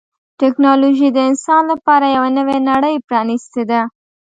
ټکنالوجي د انسان لپاره یوه نوې نړۍ پرانستې ده.